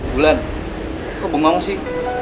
bulan kok bengong sih